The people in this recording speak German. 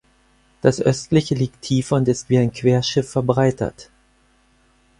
Das östliche liegt tiefer und ist wie ein Querschiff verbreitert.